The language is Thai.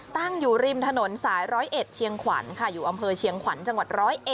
ตั้งอยู่ริมถนนสาย๑๐๑เชียงขวัญค่ะอยู่อำเภอเชียงขวัญจังหวัด๑๐๑